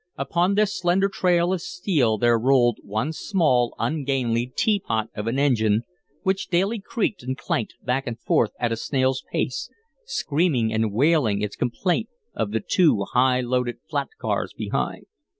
Upon this slender trail of steel there rolled one small, ungainly teapot of an engine which daily creaked and clanked back and forth at a snail's pace, screaming and wailing its complaint of the two high loaded flat cars behind.